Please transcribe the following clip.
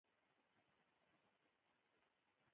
د وطن دفاع لپاره چمتووالی پکار دی.